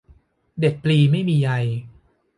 เด็ดปลีไม่มีใย